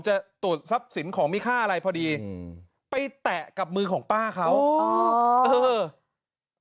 จะตรวจทรัพย์สินของมีค่าอะไรพอดีอืมไปแตะกับมือของป้าเขาอ๋อเออ